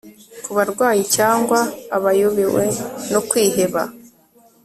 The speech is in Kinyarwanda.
kubarwayi cyangwa abayobewe no kwiheba